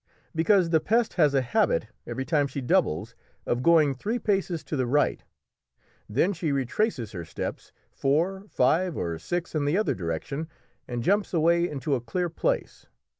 "Because the Pest has a habit every time she doubles of going three paces to the right; then she retraces her steps four, five, or six in the other direction, and jumps away into a clear place.